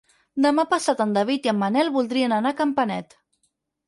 Demà passat en David i en Manel voldrien anar a Campanet.